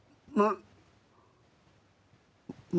ลุงเอี่ยมอยากให้อธิบดีช่วยอะไรไหม